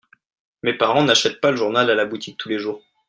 Mes parents n'achètent pas le journal à la boutique tous les jours.